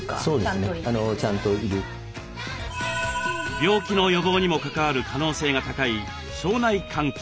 病気の予防にも関わる可能性が高い腸内環境。